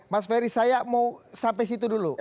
mas ferry saya mau sampai situ dulu